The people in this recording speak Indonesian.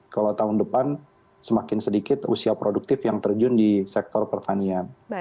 kalau tahun depan semakin sedikit usia produktif yang terjun di sektor pertanian